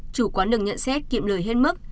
chủ quán được nhận xét kiệm lời hết mức